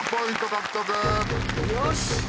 よし！